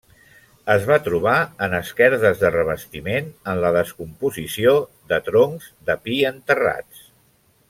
Es va trobar en esquerdes de revestiment en la descomposició de troncs de pi enterrats.